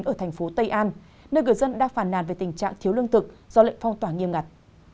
ở thành phố tây an nơi người dân đang phàn nàn về tình trạng thiếu lương thực do lệnh phong tỏa nghiêm ngặt